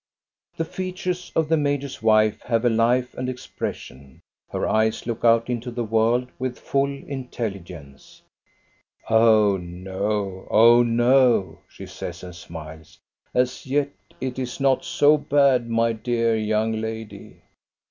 The features of the major's wife have life and ex pression, her eyes look out into the world with full intelligence. "Oh, no; oh, no, she says and smiles ; "as yet it is not so bad, my dear young lady.